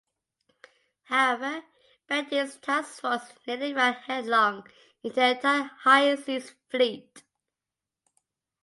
However, Beatty's task force nearly ran headlong into the entire High Seas Fleet.